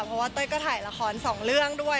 เพราะว่าเต้ยก็ถ่ายละคร๒เรื่องด้วย